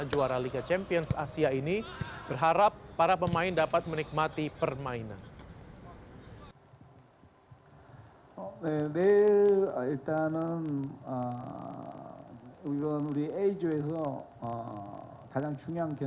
juara liga champions asia ini berharap para pemain dapat menikmati permainan